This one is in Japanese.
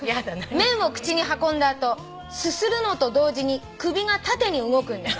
「麺を口に運んだ後すするのと同時に首が縦に動くんです」